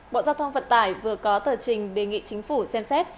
bộ giao thông vận tải vừa có tờ trình đề nghị chính phủ xem xét